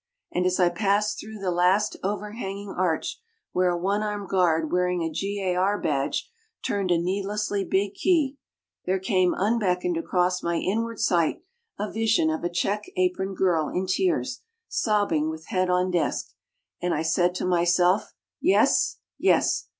And as I passed through the last overhanging arch where a one armed guard wearing a G.A.R. badge turned a needlessly big key, there came unbeckoned across my inward sight a vision of a check aproned girl in tears, sobbing with head on desk. And I said to myself: "Yes, yes!